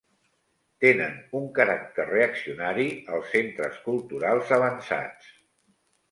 Tenen un caràcter reaccionari als centres culturals avançats.